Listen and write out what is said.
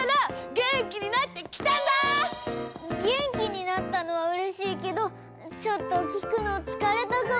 げんきになったのはうれしいけどちょっときくのつかれたかも。